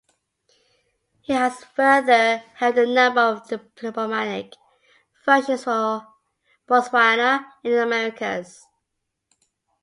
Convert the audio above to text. He has further held a number of diplomatic functions for Botswana in the Americas.